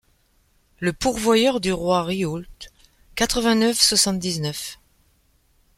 Le pourvoyeur du Roy Riault quatre-vingt-neuf soixante-dix-neuf.